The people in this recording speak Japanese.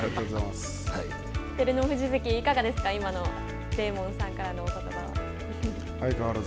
照ノ富士関いかがですか、今のデーモンさんからのおことばは。